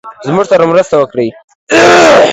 زموږ سره مرسته وکړی.